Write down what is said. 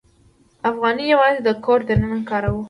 افغانۍ یوازې د کور دننه کاروو.